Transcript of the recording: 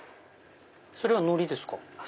それはのりですか？